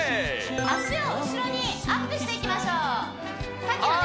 足を後ろにアップしていきましょうさっきのね